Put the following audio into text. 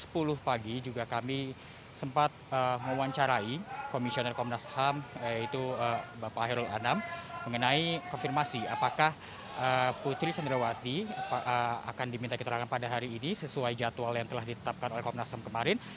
pukul sepuluh pagi juga kami sempat mewawancarai komisioner komnas ham yaitu bapak hairul anam mengenai konfirmasi apakah putri sandrawati akan diminta keterangan pada hari ini sesuai jadwal yang telah ditetapkan oleh komnas ham kemarin